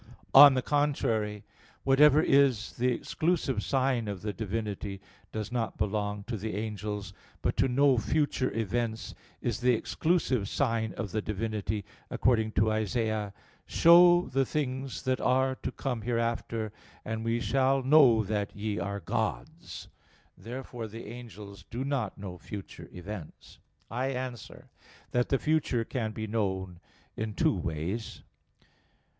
On the contrary, Whatever is the exclusive sign of the Divinity, does not belong to the angels. But to know future events is the exclusive sign of the Divinity, according to Isa. 41:23: "Show the things that are to come hereafter, and we shall know that ye are gods." Therefore the angels do not know future events. I answer that, The future can be known in two ways.